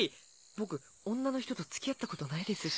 僕女の人と付き合ったことないですし。